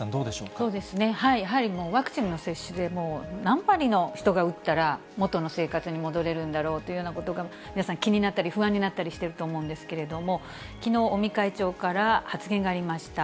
そうですね、やはりワクチンの接種でもう、何割の人が打ったら、元の生活に戻れるんだろうというようなことが皆さん気になったり、不安になったりしてると思うんですけれども、きのう、尾身会長から発言がありました。